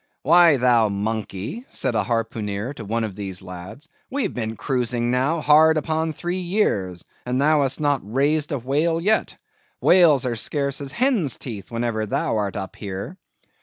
"Why, thou monkey," said a harpooneer to one of these lads, "we've been cruising now hard upon three years, and thou hast not raised a whale yet. Whales are scarce as hen's teeth whenever thou art up here."